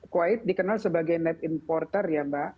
kuwait dikenal sebagai net importer ya mbak